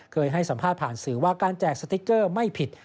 เคยให้สัมภาษณ์ผ่านสื่อว่าการแจกสติ๊กเกอร์ไม่ผิด